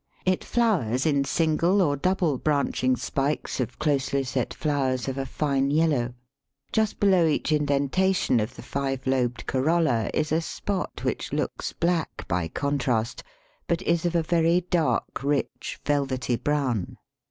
It flowers in single or double branching spikes of closely set flowers of a fine yellow. Just below each indentation of the five lobed corolla is a spot which looks black by contrast, but is of a very dark, rich, velvety brown.